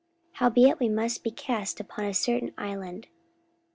44:027:026 Howbeit we must be cast upon a certain island.